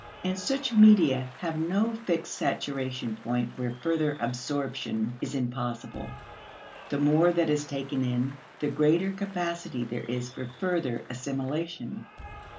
And such media have no fixed saturation point where further absorption is impossible. The more that is taken in, the greater capacity there is for further assimilation.